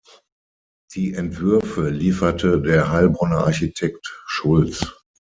Die Entwürfe lieferte der Heilbronner Architekt Schulz.